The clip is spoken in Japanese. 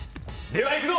ではいくぞ！